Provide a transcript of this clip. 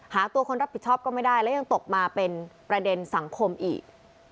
หาตัวคนรับผิดชอบก็ไม่ได้แล้วยังตกมาเป็นประเด็นสังคมอีก